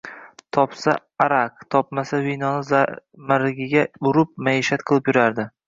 Topsa araq, topmasa vinoni zahar-margiga urib, maishat qilib yurardi